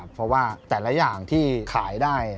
เพราะว่าแต่ละอย่างที่ขายได้